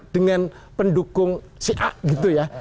dengan pendukung si a gitu ya